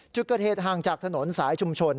จุดเกิดเหตุห่างจากถนนสายชุมชน